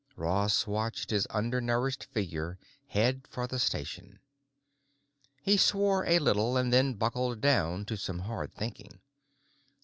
Ross watched his undernourished figure head for the station. He swore a little, and then buckled down to some hard thinking.